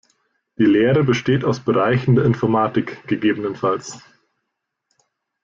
Die Lehre besteht aus Bereichen der Informatik, ggf.